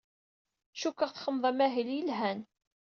Cukkteɣ txedmeḍ amahil yelhan.